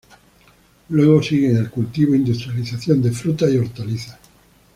Luego siguen el cultivo e industrialización de frutas y hortalizas.